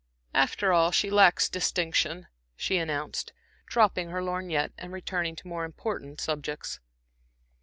"After all, she lacks distinction," she announced, dropping her lorgnette and turning to more important subjects.